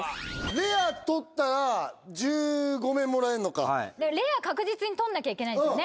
レアとったら１５面もらえるのかレア確実にとんなきゃいけないんですよね